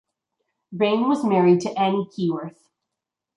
Raine was married to Annie Keyworth.